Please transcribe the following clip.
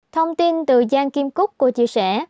thông tin từ giang kim cúc cô chia sẻ